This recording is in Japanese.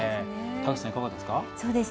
田口さん、いかがですか。